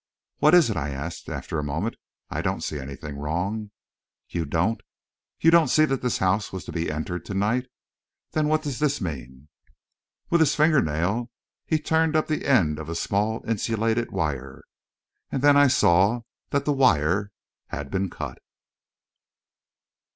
"What is it?" I asked, after a moment. "I don't see anything wrong." "You don't? You don't see that this house was to be entered to night? Then what does this mean?" With his finger nail, he turned up the end of a small insulated wire. And then I saw that the wire had been cut.